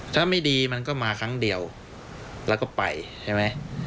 ถ้าไม่ดีมันก็มาครั้งเดียวแล้วก็ไปใช่ไหม